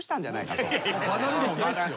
離れるもんないっすよ。